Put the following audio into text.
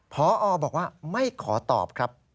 พอบอกว่าไม่ขอตอบครับ